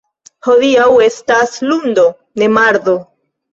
Hodiaŭ estas lundo, ne, mardo.